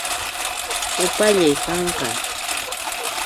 Upallay qanqa